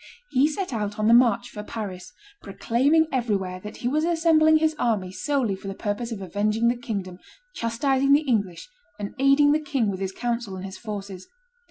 He set out on the march for Paris, proclaiming everywhere that he was assembling his army solely for the purpose of avenging the kingdom, chastising the English, and aiding the king with his counsels and his forces.